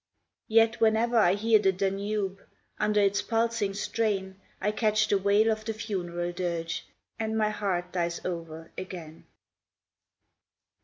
Yet whenever I hear the Danube Under its pulsing strain, I catch the wail of the funeral dirge, And my heart dies over again.